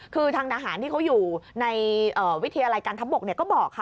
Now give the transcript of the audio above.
คือทางทหารที่เขาอยู่ในวิทยาลัยการทัพบกก็บอกค่ะ